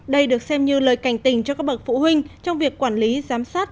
đây được xem như lời cảnh tình cho các bậc phụ huynh trong việc quản lý giám sát